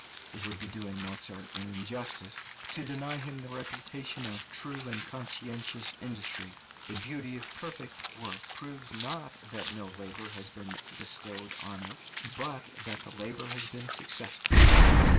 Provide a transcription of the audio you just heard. It would be doing Mozart an injustice to deny him the reputation of true and conscientious industry; the beauty of perfect work proves not that no labour has been bestowed on it, but that the labour has been successful.